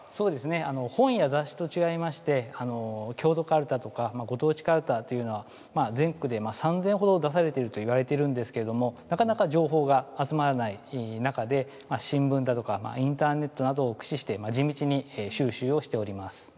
本や雑誌と違いまして郷土カルタとかご当地カルタは全国で３０００ほど出されているといわれているんですけれどもなかなか情報が集まらない中で新聞やインターネットなどを駆使して地道に収集しております。